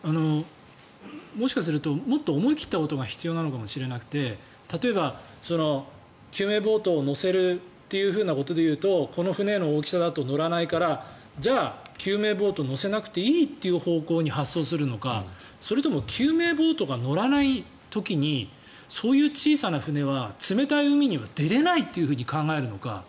もしかするともっと思い切ったことが必要なのかもしれなくて例えば、救命ボートを載せるということでいうとこの船の大きさだと載らないからじゃあ、救命ボートを載せなくていいという方向に発想するのかそれとも救命ボートが載らない時にそういう小さな船は冷たい海には出れないと考えるのか